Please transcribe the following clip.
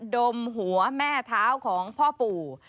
ดมหัวแม่เท้าของพ่อปู่